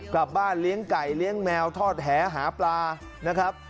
กลับบ้านเลี้ยงไก่เลี้ยงแมวทอดแหหาปลานะครับ